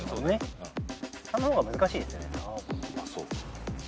３の方が難しいですよね？